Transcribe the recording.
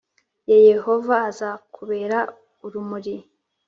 Ye yehova azakubera urumuri